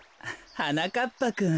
はなかっぱくん。